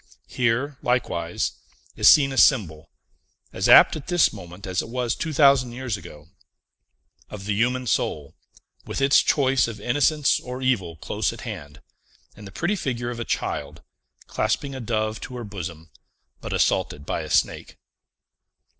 Here, likewise, is seen a symbol (as apt at this moment as it was two thousand years ago) of the Human Soul, with its choice of Innocence or Evil close at hand, in the pretty figure of a child, clasping a dove to her bosom, but assaulted by a snake.